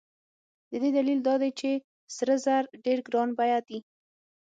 د دې دلیل دا دی چې سره زر ډېر ګران بیه دي.